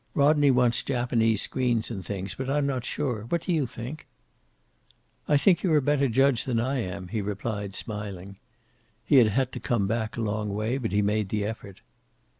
Rodney wants Japanese screens and things, but I'm not sure. What do you think?" "I think you're a better judge than I am," he replied, smiling. He had had to come back a long way, but he made the effort.